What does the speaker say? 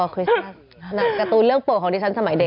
การ์ตูนเรื่องโปรดของดิฉันสมัยเด็ก